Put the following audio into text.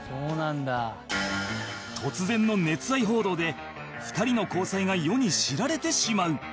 突然の熱愛報道で２人の交際が世に知られてしまう